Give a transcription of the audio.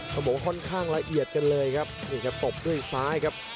ต้องบอกว่าค่อนข้างละเอียดกันเลยครับนี่ครับตบด้วยซ้ายครับ